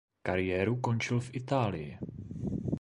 Kariéru končil v Itálii.